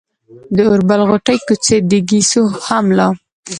د اوربل غوټې، کوڅۍ، د ګيسو هم لا